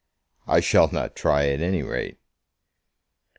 "I shall not try, at any rate."